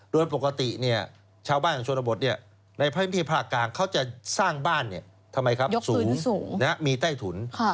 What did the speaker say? โดยปกติชาวบ้านชวนบทในพื้นที่ภาคกลางเขาจะสร้างบ้านสูงมีใต้ถุน